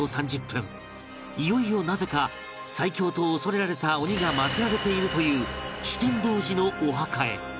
いよいよなぜか最強と恐れられた鬼が祭られているという酒呑童子のお墓へ